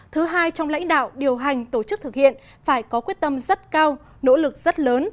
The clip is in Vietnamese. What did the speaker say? thứ hai trong lãnh đạo điều hành tổ chức thực hiện phải có quyết tâm rất cao nỗ lực rất lớn